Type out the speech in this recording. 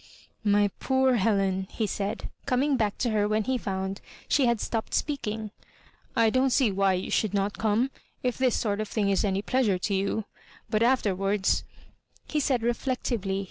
" My poor Helen," he aaid, coming back to her when he found she had stopp^ speaking, *' I don't see why you should not come, if this sort of thing is any pleasure to you ; but afterwards '* he said reflectively.